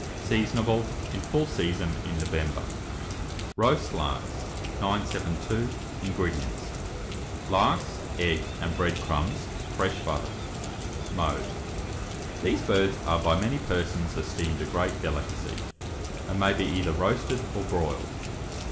Seasonable. In full season in November. ROAST LARKS. 972. INGREDIENTS. Larks, egg and bread crumbs, fresh butter. Mode. These birds are by many persons esteemed a great delicacy, and may be either roasted or broiled.